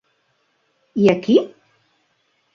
I aquí?